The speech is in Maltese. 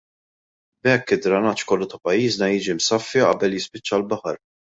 B'hekk id-dranaġġ kollu ta' pajjiżna jiġi msaffi qabel jispiċċa l-baħar.